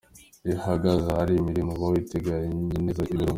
Iyo uhagaze ahari iyi mirima uba witegeye neza ibirunga.